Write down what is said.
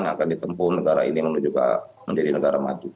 yang akan ditempuh negara ini menuju ke negara maju